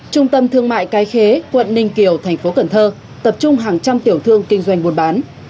trung tâm thương mại cái khế quận ninh kiều thành phố cần thơ tập trung hàng trăm tiểu thương kinh doanh buôn bán